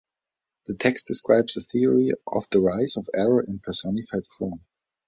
The text describes a theory of the rise of Error in personified form.